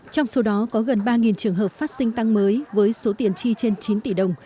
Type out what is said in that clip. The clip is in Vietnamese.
trong số đó có gần ba trường hợp phát sinh tăng mới với số tiền chi trên chín tỷ đồng